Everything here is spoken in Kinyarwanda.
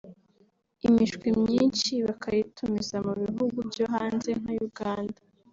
imishwi myinshi bakayitumiza mu bihugu byo hanze nka Uganda